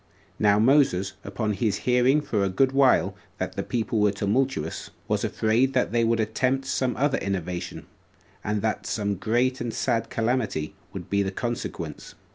2. Now Moses, upon his hearing for a good while that the people were tumultuous, was afraid that they would attempt some other innovation, and that some great and sad calamity would be the consequence.